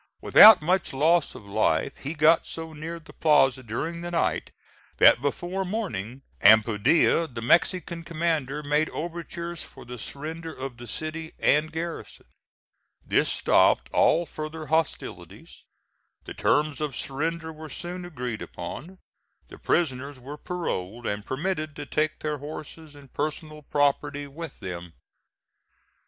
Without much loss of life, he got so near the plaza during the night that before morning, Ampudia, the Mexican commander, made overtures for the surrender of the city and garrison. This stopped all further hostilities. The terms of surrender were soon agreed upon. The prisoners were paroled and permitted to take their horses and personal property with them.